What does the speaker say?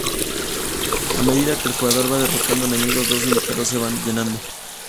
A medida que el jugador va derrotando enemigos, dos indicadores se van llenando.